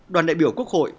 đoàn đại biểu quốc hội